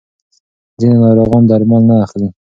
ځینې ناروغان درمل نه اخلي.